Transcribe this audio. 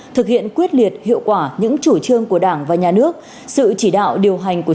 thực hiện quyết liệt hiệu quả những chủ trương của đảng và nhà nước sự chỉ đạo điều hành của